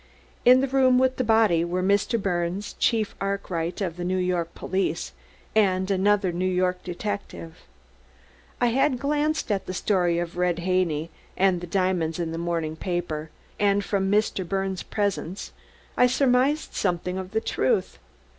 "In the room with the body were Mr. Birnes, Chief Arkwright of the New York police, and another New York detective. I had glanced at the story of Red Haney and the diamonds in the morning papers, and from what I knew, and from Mr. Birnes' presence, I surmised something of the truth.